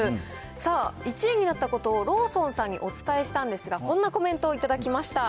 さあ、１位になったことをローソンさんにお伝えしたんですが、こんなコメントを頂きました。